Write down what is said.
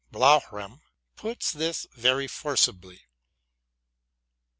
Bloughram puts this very forcibly.